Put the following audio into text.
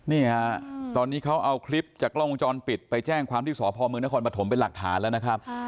นี่ฮะตอนนี้เขาเอาคลิปจากกล้องวงจรปิดไปแจ้งความที่สพมนครปฐมเป็นหลักฐานแล้วนะครับ